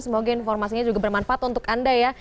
semoga informasinya juga bermanfaat untuk anda ya